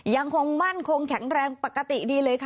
ยังคงมั่นคงแข็งแรงปกติดีเลยค่ะ